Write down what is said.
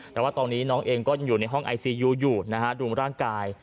แต่ว่าตอนนี้น้องเองก็ยังอยู่ในห้องไอซียูอยู่นะฮะดูร่างกาย